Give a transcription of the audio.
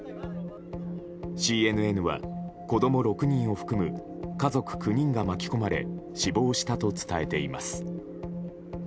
ＣＮＮは、子供６人を含む家族９人が巻き込まれ死亡したと伝えています。